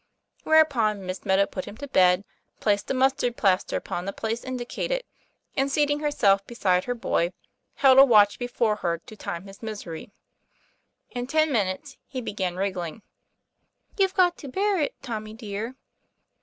Whereupon Miss Meadow put him to bed, placed a mustard plaster upon the place indicated, and, seating herself beside her boy, held a watch before her to time his misery. In ten minutes be began wriggling. "You've got to bear it, Tommy dear."